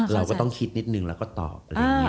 เราก็ต้องคิดนิดนึงแล้วก็ตอบ